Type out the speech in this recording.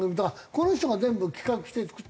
この人が全部企画して作って。